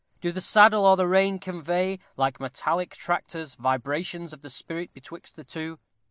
Do the saddle or the rein convey, like metallic tractors, vibrations of the spirit betwixt the two?